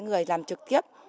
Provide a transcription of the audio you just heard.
người làm trực tiếp